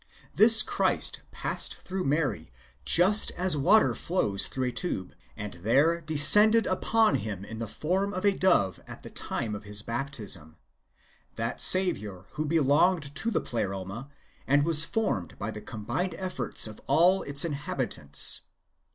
This Christ passed through Mary just as water flows through a tube ; and there descended upon him in the form of a dove at the time of his baptism, that Saviour who belonged to the Pleroma, and was formed by the combined efforts of all its inhabitants.